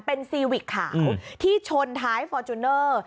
เป็นซีวิกขาวที่ชนท้ายฟอร์จูเนอร์